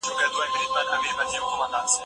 د ژوند د ملګري په غوره کولو کي احتياط وکړئ.